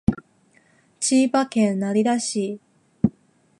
千葉県成田市